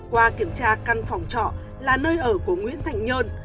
qua kiểm tra căn phòng trọ là nơi ở của nguyễn thành nhơn